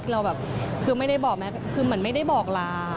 เราแบบคือไม่ได้บอกแม่คือเหมือนไม่ได้บอกลา